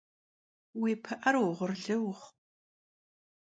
Vui pı'er vuğurlı vuxhu!